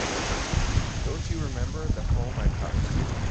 Don't you remember the home I promised you?